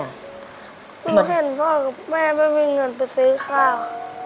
พ่อแม่ไม่มีเงินไปซื้อข้าว